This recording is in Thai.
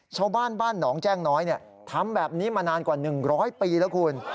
ชาวบ้านบ้านหนองแจ้งน้อยทำแบบนี้มานานกว่า๑๐๐ปีแล้วคุณ